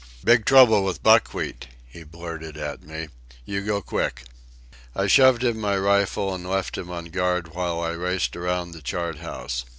"Big trouble with Buckwheat," he blurted at me. "You go quick." I shoved him my rifle and left him on guard while I raced around the chart house.